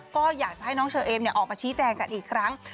ก็อยากจะให้น้องเชอเอมออกมาชี้แจงกันอีกครั้ง